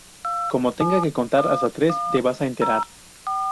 Como tenga que contar hasta tres, te vas a enterar